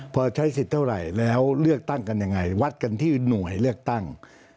พอใช้สิทธิ์เท่าไหร่แล้วเลือกตั้งกันยังไงวัดกันที่หน่วยเลือกตั้ง